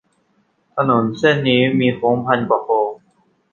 ถนนเส้นนี้มีโค้งพันกว่าโค้ง